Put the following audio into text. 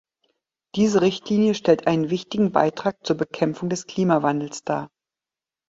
Diese Richtlinie stellt einen wichtigen Beitrag zur Bekämpfung des Klimawandels dar.